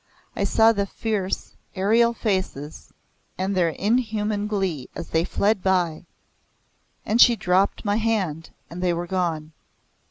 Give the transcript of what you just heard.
I saw the fierce aerial faces and their inhuman glee as they fled by, and she dropped my hand and they were gone.